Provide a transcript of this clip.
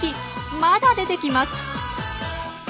まだ出てきます。